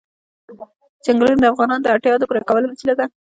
چنګلونه د افغانانو د اړتیاوو د پوره کولو وسیله ده.